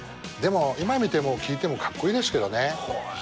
でも今見ても聴いてもカッコイイですけどね。